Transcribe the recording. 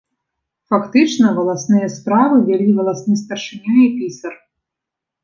Фактычна валасныя справы вялі валасны старшыня і пісар.